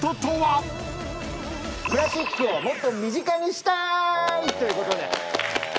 クラシックをもっと身近にしたーい！ということで。